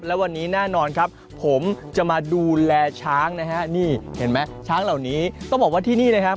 และวันนี้แน่นอนครับผมจะมาดูแลช้างนะฮะนี่เห็นไหมช้างเหล่านี้ต้องบอกว่าที่นี่นะครับ